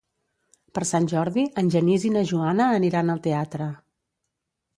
Per Sant Jordi en Genís i na Joana aniran al teatre.